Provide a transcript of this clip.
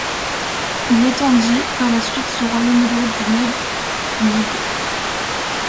Il étendit par la suite ce royaume au-delà du Danube.